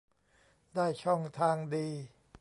ได้ช่องทางดี